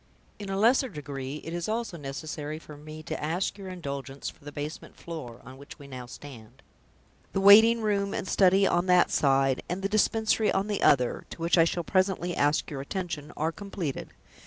In a lesser degree, it is also necessary for me to ask your indulgence for the basement floor, on which we now stand. The waiting room and study on that side, and the Dispensary on the other (to which I shall presently ask your attention), are completed.